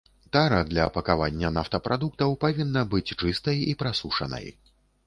Тара для пакавання нафтапрадуктаў павінна быць чыстай і прасушанай.